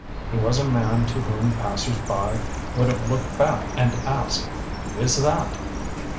He was a man to whom passers by would have looked back and asked, 'Who is that?